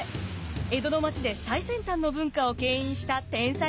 江戸の町で最先端の文化を牽引した天才がいました。